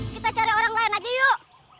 kita cari orang lain lagi yuk